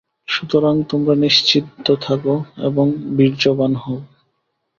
সুতরাং তোমরা নিশ্চিন্ত থাক এবং বীর্যবান হও।